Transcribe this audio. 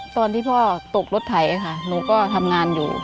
ตอนที่พ่อตกรถไถค่ะหนูก็ทำงานอยู่